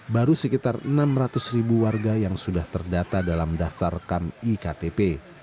baru sekitar enam ratus ribu warga yang sudah terdata dalam daftar rekam iktp